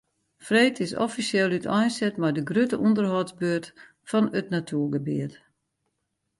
Freed is offisjeel úteinset mei de grutte ûnderhâldsbeurt fan it natuergebiet.